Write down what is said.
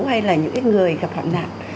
hay là những người gặp hạn nạn